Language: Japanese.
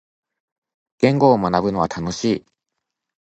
言語を学ぶのは楽しい。